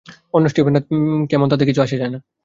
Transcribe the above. অন্য স্টিফেনরা কেমন তাতে কিছু যায় আসে না।